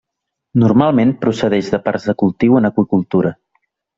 Normalment procedeix de parcs de cultiu en aqüicultura.